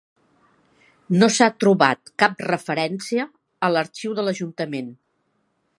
No s'ha trobat cap referència a l'arxiu de l'ajuntament.